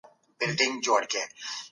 ښه ذهنیت روغتیا نه دروي.